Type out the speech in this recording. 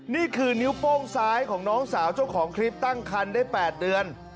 นี่คือนิ้วโป้งซ้ายของน้องสาวเจ้าของคลิปตั้งคันได้๘เดือน